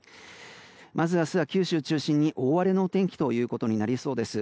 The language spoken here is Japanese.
まず明日は九州中心に大荒れの天気となりそうです。